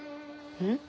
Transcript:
うん？